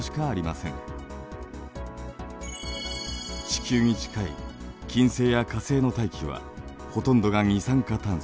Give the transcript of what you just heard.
地球に近い金星や火星の大気はほとんどが二酸化炭素。